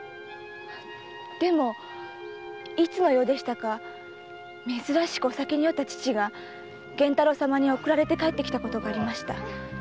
でもいつの夜でしたか珍しくお酒に酔った父が源太郎様に送られて帰ってきたことがありました。